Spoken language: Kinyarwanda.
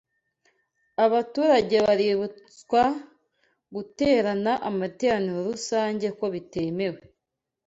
Abaturage baributswa guretana amateraniro rusange ko bitemewe